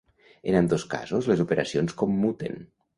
En ambdós casos les operacions commuten.